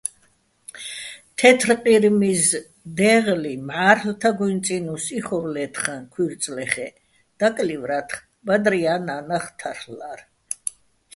თეთრყირმიზ, დეღლიჼ, მჵა́რლ' თაგუჲნი̆ წინუს იხორ ლე́თხაჼ ქუჲრწლეხ-ე́, დაკლივრა́თხ, ბადრია́ ნა́ნახ თარლ'ლა́რ.